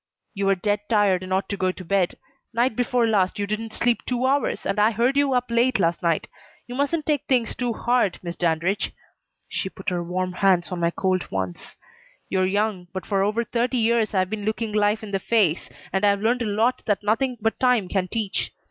"You are dead tired and ought to go to bed. Night before last you didn't sleep two hours, and I heard you up late last night. You mustn't take things too hard, Miss Dandridge." She put her warm hands on my cold ones. "You're young, but for over thirty years I have been looking life in the face, and I've learned a lot that nothing but time can teach.